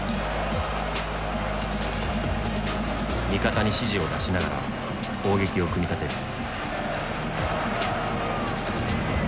味方に指示を出しながら攻撃を組み立てる。